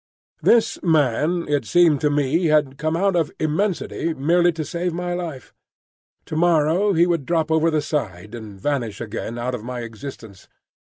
This man, it seemed to me, had come out of Immensity merely to save my life. To morrow he would drop over the side, and vanish again out of my existence.